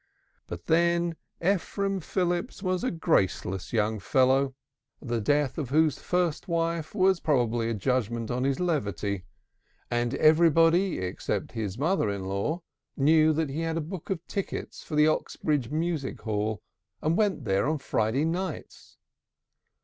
But then Ephraim Phillips was a graceless young fellow, the death of whose first wife was probably a judgment on his levity, and everybody except his second mother in law knew that he had a book of tickets for the Oxbridge Music Hall, and went there on Friday nights.